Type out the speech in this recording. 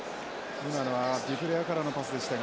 今のはデュプレアからのパスでしたが。